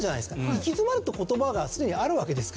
「行き詰まる」っていう言葉がすでにあるわけですから。